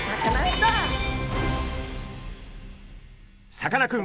さかなクン